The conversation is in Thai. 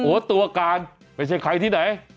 โอ้โหตัวการไม่ใช่ใครที่ไหน